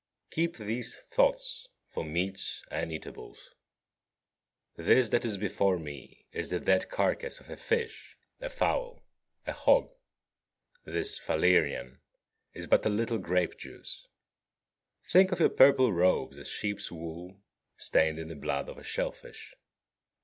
13. Keep these thoughts for meats and eatables: This that is before me is the dead carcase of a fish, a fowl, a hog. This Falernian is but a little grape juice. Think of your purple robes as sheep's wool stained in the blood of a shell fish.